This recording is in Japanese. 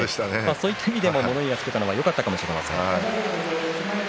そういった意味でも物言いをつけたのはよかったのかもしれません。